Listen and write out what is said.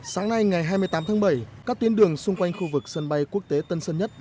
sáng nay ngày hai mươi tám tháng bảy các tuyến đường xung quanh khu vực sân bay quốc tế tân sơn nhất